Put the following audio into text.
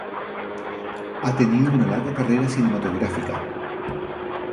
Ha tenido una larga carrera cinematográfica.